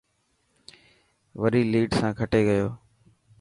وڏي ليڊ سان کٽي گيو.